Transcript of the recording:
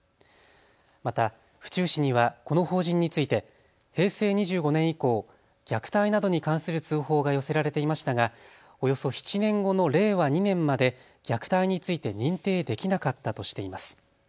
また府中市にはこの法人について平成２５年以降、虐待などに関する通報が寄せられていましたが、およそ７年後の令和２年まで虐待について認定できなかったとしています。